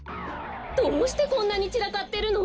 どうしてこんなにちらかってるの？